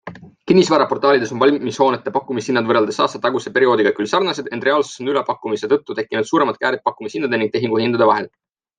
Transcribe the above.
Kinnisvaraportaalides on valmishoonete pakkumishinnad võrreldes aastataguse perioodiga küll sarnased, ent reaalsuses on ülepakkumise tõttu tekkinud suuremad käärid pakkumishindade ning tehinguhindade vahel.